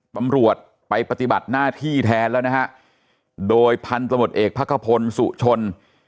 ตำรวจไปปฏิบัติหน้าที่แทนแล้วนะฮะโดยพันธมตเอกพระขพลสุชน